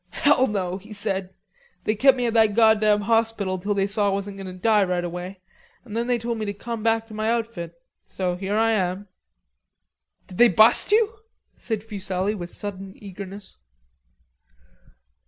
"Hell, no," he said. "They kep' me at that goddam hospital till they saw I wasn't goin' to die right away, an' then they told me to come back to my outfit. So here I am!" "Did they bust you?" said Fuselli with sudden eagerness.